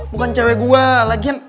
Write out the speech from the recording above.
bukan cewek gua lagian